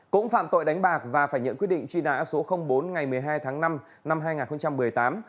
cũng phạm tội đánh bạc và phải nhận quyết định truy nã số bốn ngày một mươi hai tháng năm năm hai nghìn một mươi tám